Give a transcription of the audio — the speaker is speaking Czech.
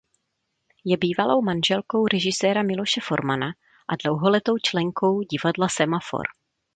Je bývalou manželkou režiséra Miloše Formana a dlouholetou členkou Divadla Semafor.